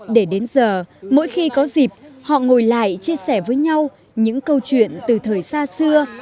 để đến giờ mỗi khi có dịp họ ngồi lại chia sẻ với nhau những câu chuyện từ thời xa xưa